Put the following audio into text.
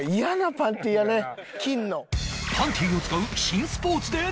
パンティを使う新スポーツで対決！